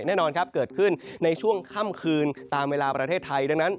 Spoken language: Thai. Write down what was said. แน่นอนครับเกิดขึ้นในช่วงค่ำคืนตามเวลาประเทศไทยดังนั้น